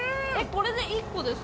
これで１個です。